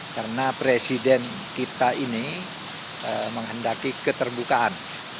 karena presiden kita ini menghendaki keterbukaan